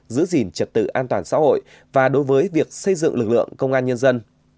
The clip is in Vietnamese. giữ gìn trật tự an toàn xã hội và đối với việc xây dựng lực lượng công an nhân dân